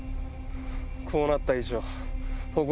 こうなった以上。